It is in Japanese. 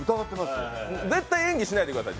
絶対演技しないでください。